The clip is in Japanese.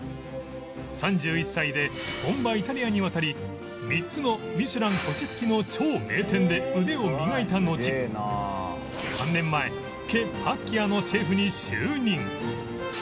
３１歳で本場イタリアに渡り３つのミシュラン星つきの超名店で腕を磨いたのち３年前ケパッキアのシェフに就任